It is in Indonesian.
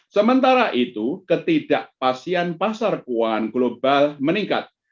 sementara itu ketidakpastian pasar keuangan global meningkat